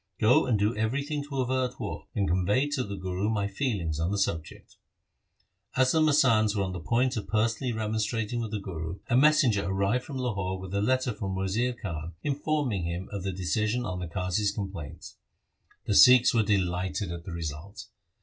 Go and do everything to avert war, and convey to the Guru my feelings on the subject.' As the masands were on the point of personally remonstrat ing with the Guru, a messenger arrived from Lahore with a letter from Wazir Khan informing him of the Emperor's decision on the Qazi's complaints. The Sikhs were delighted at the result.